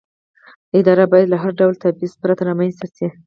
اداره باید له هر ډول تبعیض پرته رامنځته شي.